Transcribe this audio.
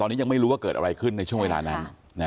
ตอนนี้ยังไม่รู้ว่าเกิดอะไรขึ้นในช่วงเวลานั้น